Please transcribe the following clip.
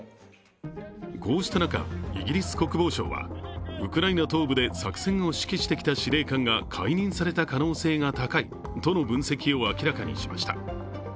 こうした中、イギリス国防省はウクライナ東部で作戦を指揮してきた司令官が解任された可能性が高いとの分析を明らかにしました。